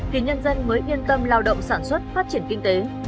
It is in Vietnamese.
thì nhân dân mới yên tâm lao động sản xuất phát triển kinh tế